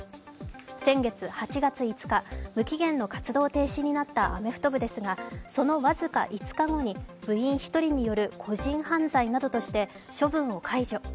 先月８月５日、無期限の活動停止になったアメフト部ですがその僅か５日後に、部員１人による個人犯罪などとして処分を解除。